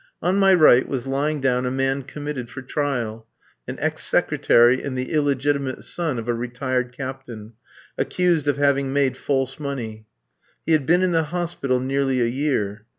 On my right was lying down a man committed for trial an ex secretary and the illegitimate son of a retired captain accused of having made false money. He had been in the hospital nearly a year.